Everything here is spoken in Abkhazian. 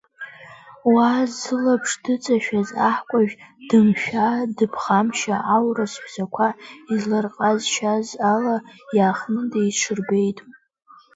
Уа зылаԥш дыҵашәаз аҳкәажә, дымшәа-дыԥхамшьа аурыс ҳәсақәа изларҟазшьаз ала, иаахтны деиҽырбеит.